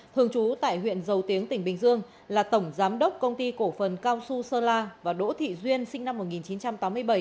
thường trú tại huyện dầu tiếng tỉnh bình dương là tổng giám đốc công ty cổ phần cao xu sơn la và đỗ thị duyên sinh năm một nghìn chín trăm tám mươi bảy